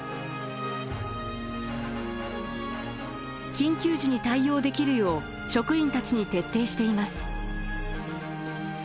緊急時に対応できるよう職員たちに徹底しています。